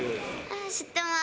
知ってます。